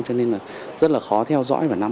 cho nên là rất là khó thiện